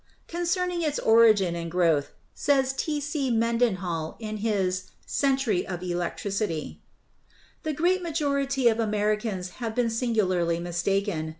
"Con cerning its origin and growth," says T. C. Mendenhall in his 'Century of Electricity,' "the great majority of Americans have been singularly mistaken.